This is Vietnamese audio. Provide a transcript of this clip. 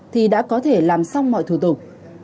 thì đã có thể làm xong mọi thủ tục